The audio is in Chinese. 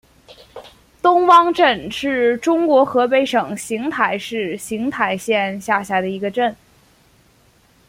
东汪镇是中国河北省邢台市邢台县下辖的一个镇。